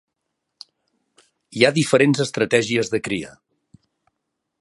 Hi ha diferents estratègies de cria.